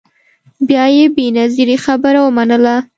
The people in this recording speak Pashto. بیا یې بنظیري خبره ومنله